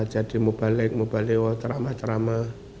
jadi mubalek mubalewo terama terama